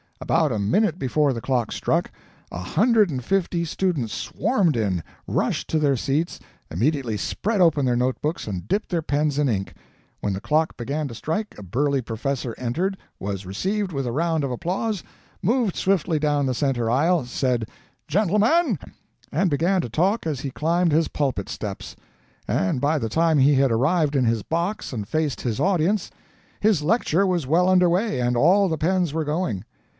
About a minute before the clock struck, a hundred and fifty students swarmed in, rushed to their seats, immediately spread open their notebooks and dipped their pens in ink. When the clock began to strike, a burly professor entered, was received with a round of applause, moved swiftly down the center aisle, said "Gentlemen," and began to talk as he climbed his pulpit steps; and by the time he had arrived in his box and faced his audience, his lecture was well under way and all the pens were going.